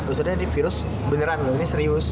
maksudnya ini virus beneran loh ini serius